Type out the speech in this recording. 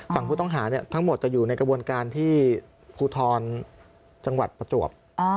ฝั่งผู้ต้องหาทั้งหมดจะอยู่ในกระบวนการที่ภูทรจังหวัดประจวบ